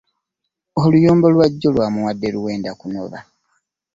Oluyombo lwa jjo lwamuwadde luwenda kunoba.